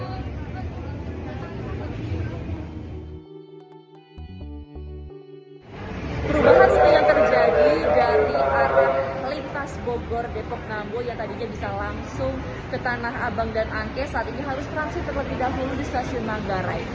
perubahan sepi yang terjadi dari arah lintas bogor depok nambo yang tadinya bisa langsung ke tanah abang dan angke saat ini harus transit terlebih dahulu di stasiun manggarai